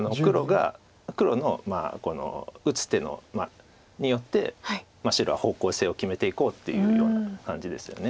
黒の打つ手によって白は方向性を決めていこうっていうような感じですよね。